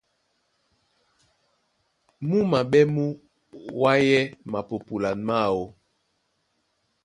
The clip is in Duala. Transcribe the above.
Mú maɓɛ́ mú wayɛ́ mapupulan máō.